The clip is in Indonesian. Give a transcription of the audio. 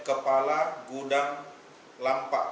kepala gudang lampak